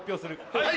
はい！